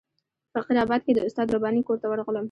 په فقیر آباد کې د استاد رباني کور ته ورغلم.